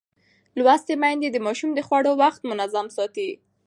لوستې میندې د ماشومانو د خوړو وخت منظم ساتي.